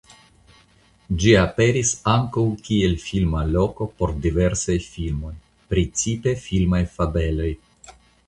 Ĝi aperis ankaŭ kiel filma loko por diversaj filmoj (precipe filmaj fabeloj).